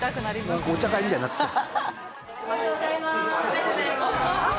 なんかお茶会みたいになってきた。